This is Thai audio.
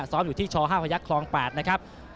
ซ้อมอยู่ที่ช๕พยักษคลอง๘นะครับ